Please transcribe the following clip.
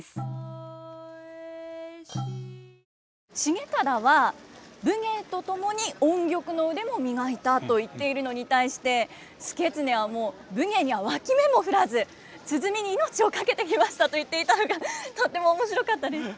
重忠は武芸と共に音曲の腕も磨いたと言っているのに対して祐経はもう武芸には脇目も振らず鼓に命を懸けてきましたと言っていたのがとっても面白かったです。